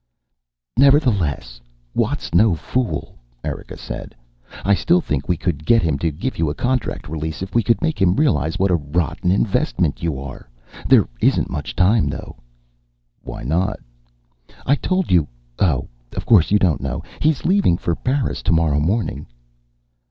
"Nevertheless, Watt's no fool," Erika said. "I still think we could get him to give you a contract release if we could make him realize what a rotten investment you are. There isn't much time, though." "Why not?" "I told you oh. Of course you don't know. He's leaving for Paris tomorrow morning."